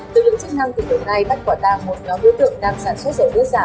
lực lượng chức năng từ tương đai bắt quả tàng một nhóm đối tượng đang sản xuất dầu nước giả